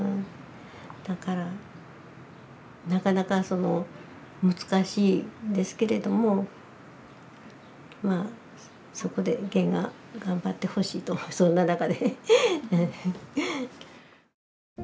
だからなかなか難しいですけれどもまあそこでゲンが頑張ってほしいとそんな中で。